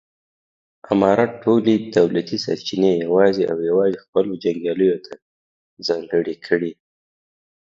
امارت ټولې دولتي سرچینې یوازې او یوازې خپلو جنګیالیو ته ځانګړې کړې.